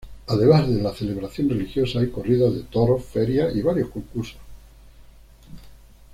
Además de la celebración religiosa, hay corridas de toros, ferias y varios concursos.